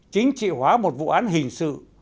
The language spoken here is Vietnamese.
chính trị hóa một vụ án hình sự